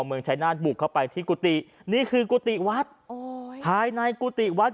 เมืองชายนาฏบุกเข้าไปที่กุฏินี่คือกุฏิวัดโอ้ยภายในกุฏิวัด